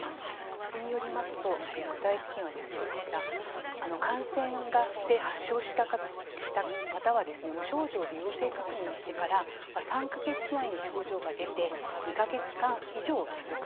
それによりますと具体的には感染で発症、または無症状で陽性確認してから３か月以内に症状が出て２か月間以上続く。